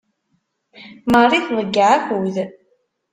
Marie tḍeyyeɛ akud.